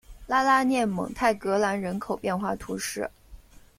拉拉涅蒙泰格兰人口变化图示